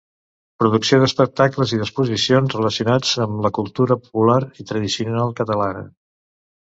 Producció d'espectacles i d'exposicions relacionats amb la cultura popular i tradicional catalana.